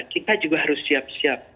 kita juga harus siap siap